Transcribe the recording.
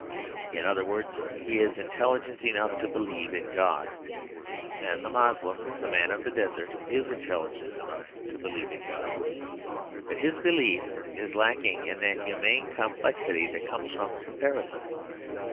In other words, he is intelligent enough to believe in God; and the Moslem, the man of the desert, is intelligent enough to believe in God. But his belief is lacking in that humane complexity that comes from comparison.